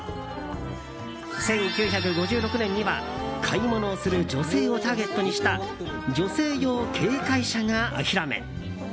１９５６年には、買い物をする女性をターゲットにした女性用軽快車が、お披露目。